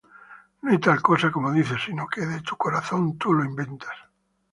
No hay tal cosa como dices, sino que de tu corazón tú lo inventas.